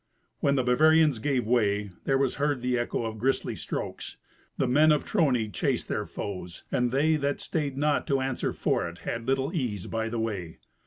When the Bavarians gave way, there was heard the echo of grisly strokes. The men of Trony chased their foes, and they that stayed not to answer for it had little ease by the way.